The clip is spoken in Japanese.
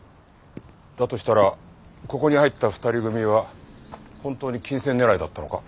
だとしたらここに入った２人組は本当に金銭狙いだったのか？